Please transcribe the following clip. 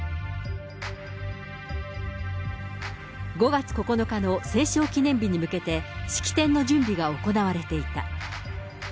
５月９日の戦勝記念日に向けて、式典の準備が行われていた。